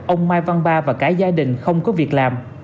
ông mai văn ba và cả gia đình không có việc làm